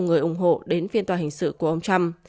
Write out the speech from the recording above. người ủng hộ đến phiên tòa hình sự của ông trump